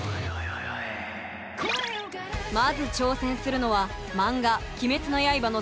まず挑戦するのはマンガ「鬼滅の刃」の